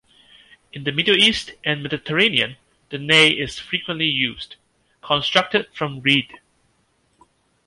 In the Middle East and Mediterranean the ney is frequently used, constructed from reed.